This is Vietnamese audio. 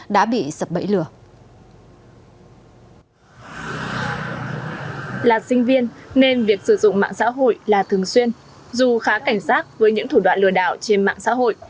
dù khá cảnh sát với những thủ đoạn lừa đảo trên mạng xã hội